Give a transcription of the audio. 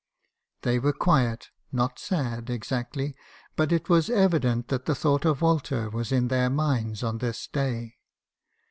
They were quiet; not sad, exactly; but it was evident that the thought of Walter was in their minds on this day.